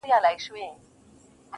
هغه اوس گل ماسوم په غېږه كي وړي.